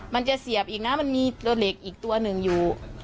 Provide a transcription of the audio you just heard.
มันจะเสียบอีกนะมันมีตัวเหล็กอีกตัวหนึ่งอยู่